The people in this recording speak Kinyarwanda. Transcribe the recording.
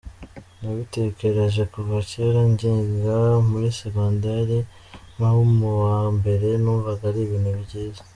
Nabitekereje kuva kera nkiga muri segonderi nko mu wa mbere, numvaga ari ibintu byiza.